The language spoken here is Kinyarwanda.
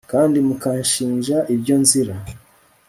kandi mukanshinja ibyo nzira